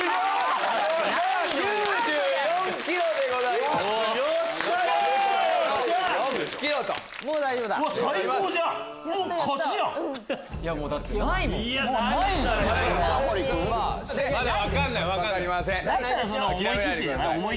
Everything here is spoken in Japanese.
まだ分かんない。